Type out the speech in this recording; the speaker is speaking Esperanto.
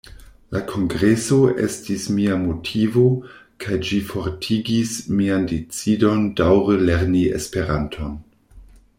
La kongreso estis mia motivo, kaj ĝi fortigis mian decidon daǔre lerni Esperanton.